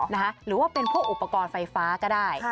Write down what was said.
หรือว่าเป็นพวกอุปกรณ์ไฟฟ้าก็ได้